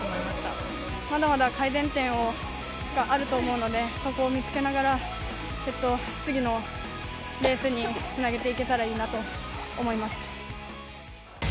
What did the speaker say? まだまだ改善点があると思うので、そこを見つけながら、次のレースにつなげていけたらいいなと思います。